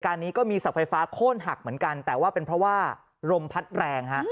นี้ก็มีเสาไฟฟ้าโค้นหักเหมือนกันแต่ว่าเป็นเพราะว่าลมพัดแรงฮะ